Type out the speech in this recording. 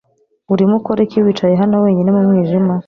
Urimo ukora iki wicaye hano wenyine mu mwijima?